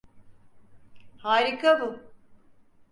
Harika bu.